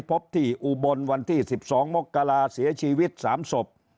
พบที่อุบลวันที่๑๒มกราเสียชีวิต๓ศพ